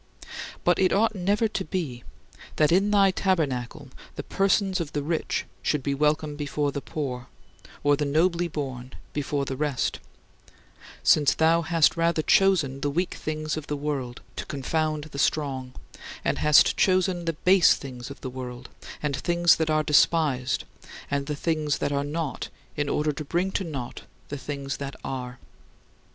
But it ought never to be that in thy tabernacle the persons of the rich should be welcome before the poor, or the nobly born before the rest since "thou hast rather chosen the weak things of the world to confound the strong; and hast chosen the base things of the world and things that are despised, and the things that are not, in order to bring to nought the things that are."